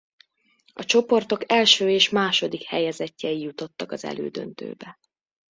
A csoportok első és második helyezettjei jutottak az elődöntőbe.